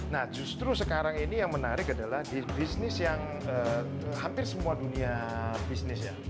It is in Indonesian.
nah justru sekarang ini yang menarik adalah di bisnis yang hampir semua dunia bisnis ya